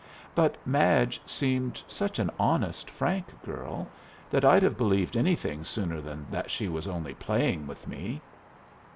But Madge seemed such an honest, frank girl that I'd have believed anything sooner than that she was only playing with me.